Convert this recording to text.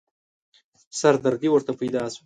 سردردې ورته پيدا شوه.